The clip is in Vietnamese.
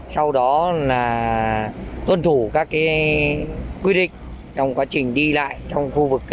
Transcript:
sau đó là tuân thủ các quy định trong quá trình đi lại trong khu vực bến bãi